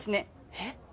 えっ⁉